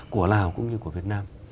của lào cũng như của việt nam